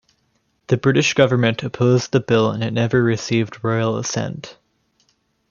The British Government opposed the bill and it never received Royal Assent.